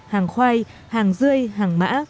hàng khoai hàng dươi hàng mã